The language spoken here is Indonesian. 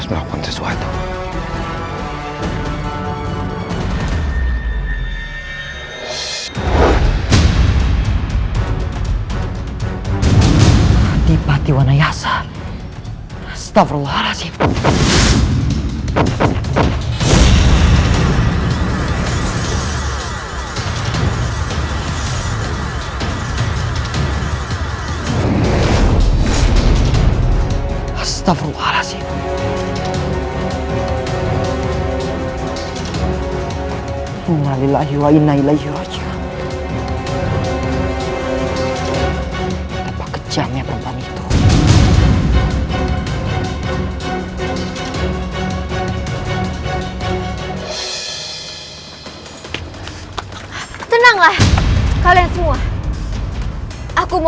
mimpi ini terlihat nyata